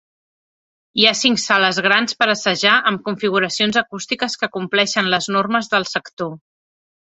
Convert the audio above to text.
Hi ha cinc sales grans per assajar amb configuracions acústiques que compleixen les normes del sector.